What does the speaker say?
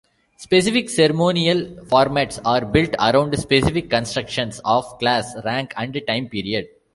Specific ceremonial formats are built around specific constructions of class, rank, and time period.